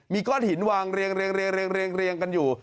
มีก้อนหินวางเรียงกันอยู่